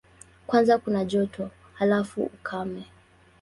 Kwanza kuna joto, halafu ukame.